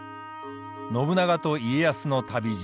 信長と家康の旅路。